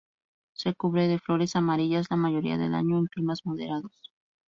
Se cubre de flores amarillas la mayoría del año en climas moderados.